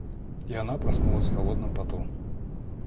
И она проснулась в холодном поту.